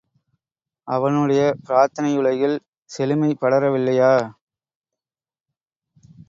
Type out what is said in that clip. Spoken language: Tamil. அவனுடைய பிரார்த்தனையுலகில் செழுமை படரவில்லையா?